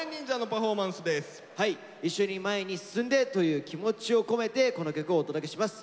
一緒に前に進んでという気持ちを込めてこの曲をお届けします。